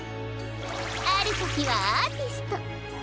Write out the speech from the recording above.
あるときはアーティスト。